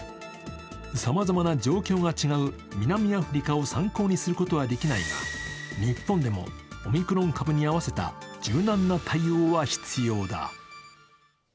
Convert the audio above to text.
さまざまな状況が違う南アフリカを参考にすることはできないが、日本でもオミクロン株に合わせた柔軟な対応は必要だ。